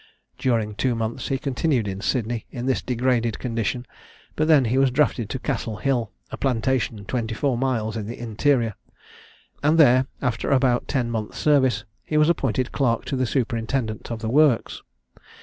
During two months he continued in Sydney in this degraded condition, but then he was drafted to Castle Hill, a plantation twenty four miles in the interior, and there, after about ten months' service, he was appointed clerk to the superintendant of the works.